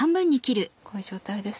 こういう状態です。